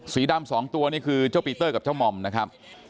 สีดำสองตัวนี่คือเจ้าปีเตอร์กับเจ้าหม่อมนะครับ